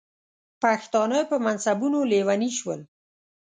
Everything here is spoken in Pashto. پښتانه په منصبونو لیوني شول.